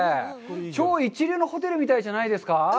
超一流のホテルみたいじゃないですか？